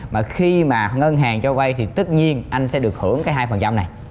mà khi mà ngân hàng cho vai thì tất nhiên anh sẽ được hưởng cái hai phần trăm này